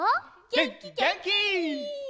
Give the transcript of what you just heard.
げんきげんき！